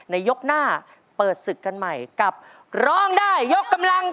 ยกหน้าเปิดศึกกันใหม่กับร้องได้ยกกำลัง